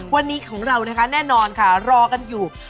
วันนี้ของเรานะคะแน่นอนค่ะรอกันอยู่